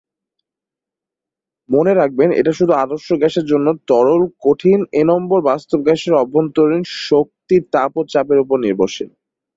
মনে রাখবেন, এটা শুধু আদর্শ গ্যাসের জন্য, তরল, কঠিন এনম্বর বাস্তব গ্যাসের অভ্যন্তরীন শক্তি তাপ ও চাপের উপর নির্ভরশীল।